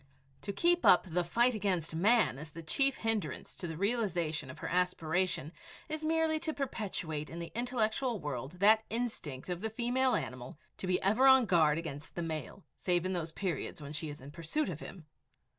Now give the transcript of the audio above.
To keep up the fight against man as the chief hindrance to the realization of her aspiration is merely to perpetuate in the intellectual world that instinct of the female animal to be ever on guard against the male, save in those periods when she is in pursuit of him!